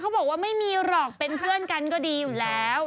บอกว่าไม่มีหรอกเป็นเพื่อนกันก็ดีอยู่แล้ว